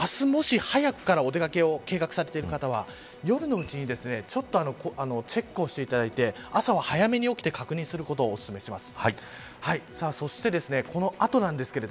大きく交通が乱れる可能性があるので明日、もし早くからお出掛けを計画されている方は夜のうちに、ちょっとチェックをしていただいて朝は早めに起きて確認することをおすすめします。